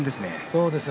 そうですね。